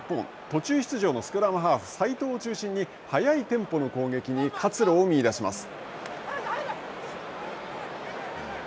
途中出場のスクラムハーフ、齋藤を中心に速いテンポの攻撃に活路を見出します。